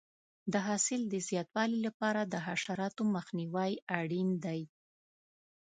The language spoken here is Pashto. د حاصل د زیاتوالي لپاره د حشراتو مخنیوی اړین دی.